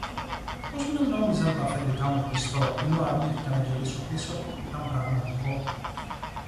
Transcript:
Πως με νόμιζαν τ' αφεντικά μου πιστό, ενώ αρνήθηκα να γυρίσω πίσω, ήταν πραγματικό